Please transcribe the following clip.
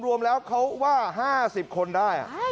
รวมแล้วเขาว่า๕๐คนได้